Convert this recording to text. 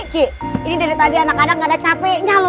supaya kita nikah keinginannya